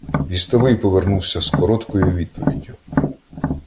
Вістовий повернувся з короткою відповіддю: